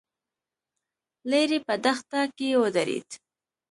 ليرې په دښته کې ودرېد.